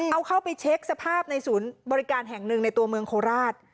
เอาเข้าไปเช็คสภาพในศูนย์บริการแห่งหนึ่งในตัวเมืองโคราช